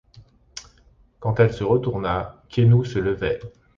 Quand elle se retourna, Quenu se levait.